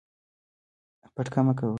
پټکه مه کوه او په ارامه خبرې وکړه.